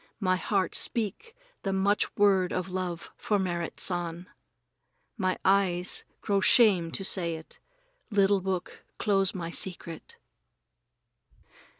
My heart speak the much word of love for Merrit San. My eyes grow shame to say it. Little book, close my secret!